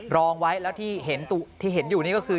รองไว้แล้วที่เห็นอยู่นี่ก็คือ